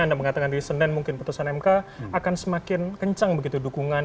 anda mengatakan di senin mungkin putusan mk akan semakin kencang begitu dukungan